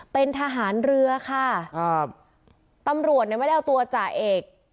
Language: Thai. เป็นทหารเรือค่ะครับตำรวจเนี่ยไม่ได้เอาตัวจ่าเอก